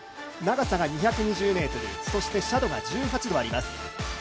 長さが２２０ｍそして斜度が１８度あります。